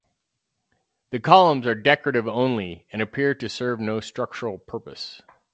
The columns are decorative only, and appear to serve no structural purpose.